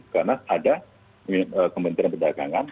karena ada kementerian perdagangan